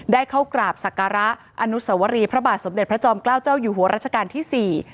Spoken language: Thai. ได้เข้ากราบศักระอนุสวรีพระบาทสมเด็จพระจอมเกล้าเจ้าอยู่หัวรัชกาลที่สี่